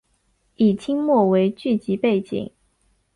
以清末为剧集背景。